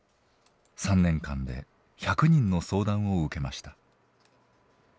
３年間で１００人の相談を受けました。